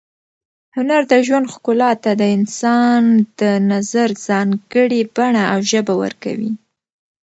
هنر د ژوند ښکلا ته د انسان د نظر ځانګړې بڼه او ژبه ورکوي.